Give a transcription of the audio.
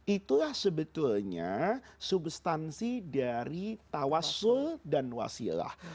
itulah sebetulnya substansi dari tawasul dan wasilah